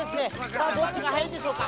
さあどっちがはやいんでしょうか。